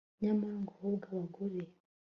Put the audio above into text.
nyamara ngo ahubwo abagore